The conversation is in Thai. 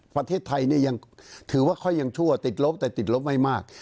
ประเทศไทยนี่ยังถือว่าค่อยยังชั่วติดลบแต่ติดลบไม่มาก